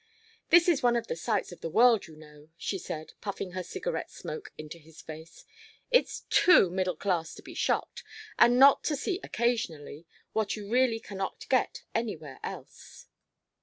"This is one of the sights of the world, you know," she said, puffing her cigarette smoke into his face. "It's too middle class to be shocked, and not to see occasionally what you really cannot get anywhere else.